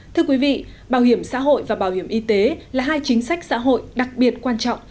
thưa quý vị bảo hiểm xã hội và bảo hiểm y tế là hai chính sách xã hội đặc biệt quan trọng